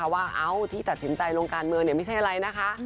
ว่าเอาที่ตัดสินใจลงการเมืองไม่ใช่อะไรนะคะ